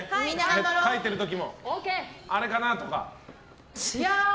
書いてる時も、あれかなとか。